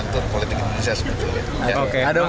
di dalam cair bang suasana bang